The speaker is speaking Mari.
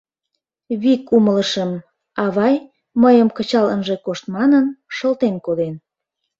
Вик умылышым: авай, мыйым кычал ынже кошт манын, шылтен коден.